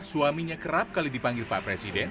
suaminya kerap kali dipanggil pak presiden